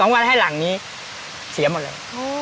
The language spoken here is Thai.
วันให้หลังนี้เสียหมดเลย